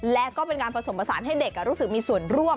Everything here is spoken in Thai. และก็เป็นการผสมผสานให้เด็กรู้สึกมีส่วนร่วม